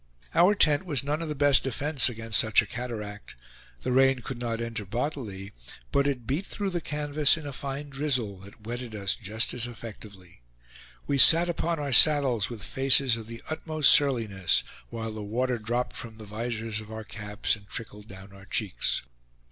Our tent was none of the best defense against such a cataract. The rain could not enter bodily, but it beat through the canvas in a fine drizzle, that wetted us just as effectively. We sat upon our saddles with faces of the utmost surliness, while the water dropped from the vizors of our caps, and trickled down our cheeks.